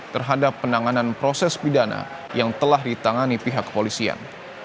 terhadap penanganan proses pidana yang telah ditangani pihak kepolisian